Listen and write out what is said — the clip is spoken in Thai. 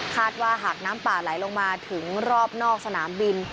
หากว่าหากน้ำป่าไหลลงมาถึงรอบนอกสนามบิน